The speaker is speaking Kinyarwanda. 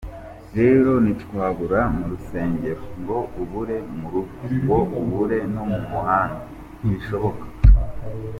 Rero ntiwabura mu rusengero, ngo ubure mu rugo, ngo ubure no mu muhanda, ntibishoboka.